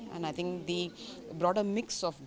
dan saya pikir perkembangan yang lebih luas